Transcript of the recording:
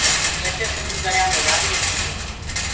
ايسي سنڌيٚ دريآ مي وآريٚ اُڏسيٚ ڪر